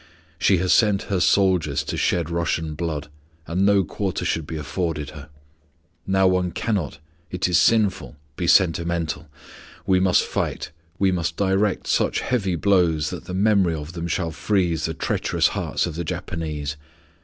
She has sent her soldiers to shed Russian blood, and no quarter should be afforded her. Now one cannot it is sinful be sentimental; we must fight; we must direct such heavy blows that the memory of them shall freeze the treacherous hearts of the Japanese.